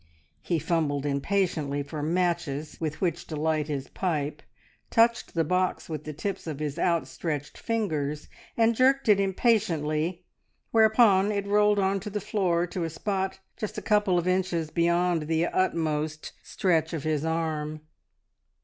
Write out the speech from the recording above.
He fumbled impatiently for matches with which to light his pipe, touched the box with the tips of his outstretched fingers, and jerked it impatiently, whereupon it rolled on to the floor to a spot just a couple of inches beyond the utmost stretch of his arm.